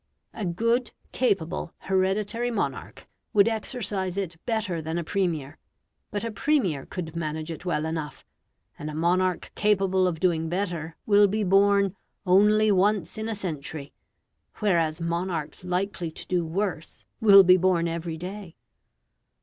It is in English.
A good, capable, hereditary monarch would exercise it better than a Premier, but a Premier could manage it well enough; and a monarch capable of doing better will be born only once in a century, whereas monarchs likely to do worse will be born every day.